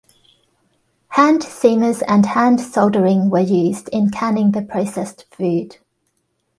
Hand seamers and hand soldering were used in canning the processed food.